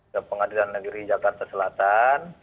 ke pengadilan negeri jakarta selatan